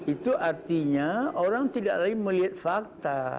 itu artinya orang tidak lagi melihat fakta